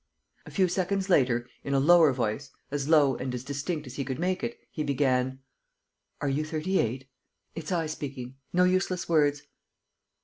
..." A few seconds later, in a lower voice, as low and as distinct as he could make it, he began: "Are you 38? ... It's I speaking; no useless words.